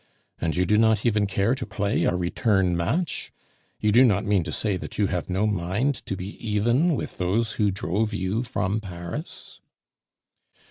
And you do not even care to play a return match? You do not mean to say that you have no mind to be even with those who drove you from Paris?"